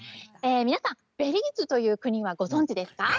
皆さん、ベリーズという国はご存じですか？